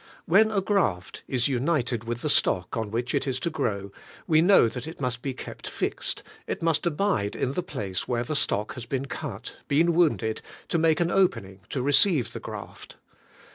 When a graft is united with the stock on which it is to grow, we know that it must be kept fixed, it must abide in the place where the stock has been cut, been wounded, to make an opening to re ceive the graft.